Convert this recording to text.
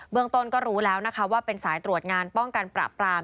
เมืองต้นก็รู้แล้วนะคะว่าเป็นสายตรวจงานป้องกันปราบปราม